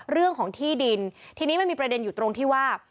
เรื่องของที่ดินทีนี้มันมีประเด็นอยู่ตรงที่ว่า